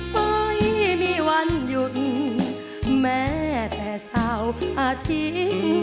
ไม่มีวันหยุดแม้แต่เสาร์อาทิตย์